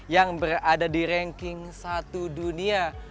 yang berada di ranking satu dunia